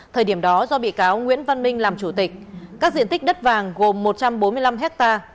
thời điểm đó do bị cáo nguyễn văn minh làm chủ tịch các diện tích đất vàng gồm một trăm bốn mươi năm ha